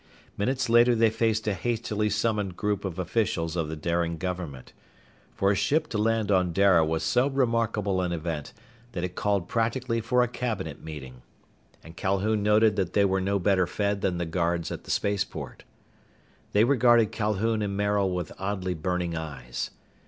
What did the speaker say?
Minutes later they faced a hastily summoned group of officials of the Darian government. For a ship to land on Dara was so remarkable an event that it called practically for a cabinet meeting. And Calhoun noted that they were no better fed than the guards at the spaceport. They regarded Calhoun and Maril with oddly burning, eyes.